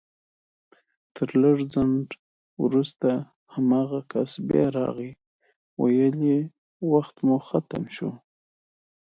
تر لږ ځنډ وروسته هماغه کس بيا راغی ويل يې وخت مو ختم شو